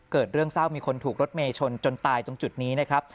เกิดเรื่องเศร้ามีคนถูกรถเมย์ชนจนตายตรงจุดนี้นะครับ